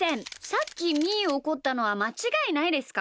さっきみーをおこったのはまちがいないですか？